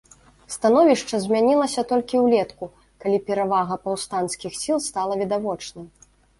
Становішча змянілася толькі ўлетку, калі перавага паўстанцкіх сіл стала відавочнай.